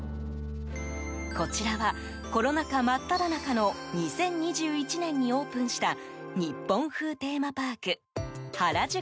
こちらは、コロナ禍真っただ中の２０２１年にオープンした日本風テーマパーク原宿